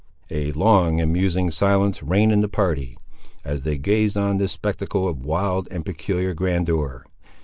A long and musing silence reigned in the party, as they gazed on this spectacle of wild and peculiar grandeur.